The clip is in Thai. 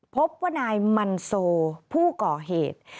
พบว่านายมันโซผู้ก่อเหตุ